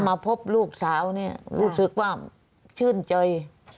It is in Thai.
มาพบลูกสาวเนี่ยรู้สึกว่าชื่นใจ